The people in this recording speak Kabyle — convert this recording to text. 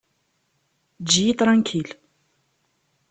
Eǧǧ-iyi ṭranklil!